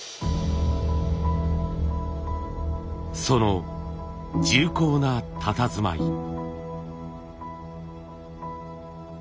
その重厚なたたずまい。